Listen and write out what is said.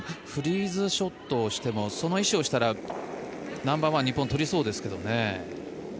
フリーズショットをしてもその石を押したらナンバーワン日本は取れそうですけどね。